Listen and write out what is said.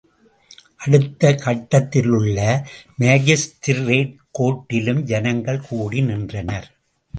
அடுத்த கட்டடத்திலுள்ள மாஜிஸ்திரேட் கோர்ட்டிலும் ஜனங்கள் கூடி நின்றனர்.